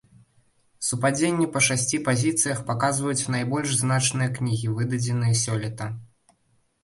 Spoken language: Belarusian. Супадзенні па шасці пазіцыях паказваюць найбольш значныя кнігі, выдадзеныя сёлета.